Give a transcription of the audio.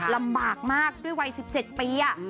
ลำบากมากด้วยวัย๑๗ปี